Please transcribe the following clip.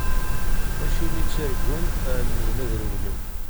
Acimi ttarǧun, ɛemmden ad rewlen.